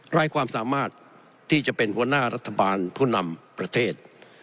ไร้ความสามารถที่จะเป็นหัวหน้ารัฐบาลผู้นำประเทศ